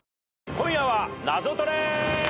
『今夜はナゾトレ』